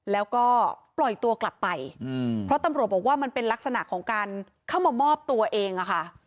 แล้วก็ปล่อยตัวกลับไปเพราะตำรวจบอกว่ามันเป็นลักษณะของการเข้ามามอบตัวเองอะค่ะ